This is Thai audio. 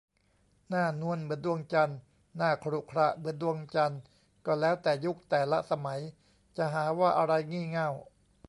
หน้านวลเหมือนดวงจันทร์ หน้าขรุขระเหมือนดวงจันทร์ ก็แล้วแต่ยุค แต่ละสมัย จะหาว่าอะไร "งี่เง่า"